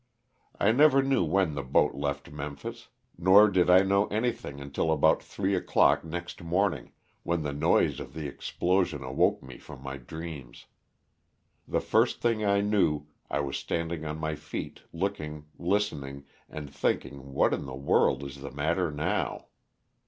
I never knew when the hoat left Memphis, nor did I know anything until about three o'clock next morning, when the noise of the explosion awoke me from my dreams. The first thing I knew I was standing on my feet looking, listening, and thinking what in the world is the matter now?